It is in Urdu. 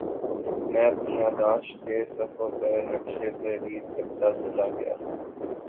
میں اپنی یادداشت کے صفحوں پر نقش تحریر کرتاچلا گیا